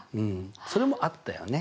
それもあったよね。